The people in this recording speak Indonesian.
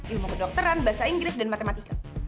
ilmu kedokteran bahasa inggris dan matematika